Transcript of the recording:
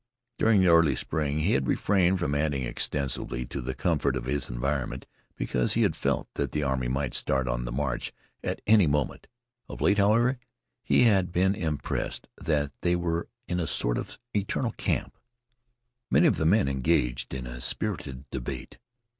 During the early spring he had refrained from adding extensively to the comfort of his environment because he had felt that the army might start on the march at any moment. Of late, however, he had been impressed that they were in a sort of eternal camp. Many of the men engaged in a spirited debate.